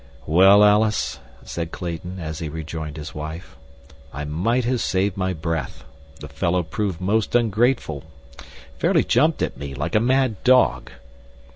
"Well, Alice," said Clayton, as he rejoined his wife, "I might have saved my breath. The fellow proved most ungrateful. Fairly jumped at me like a mad dog.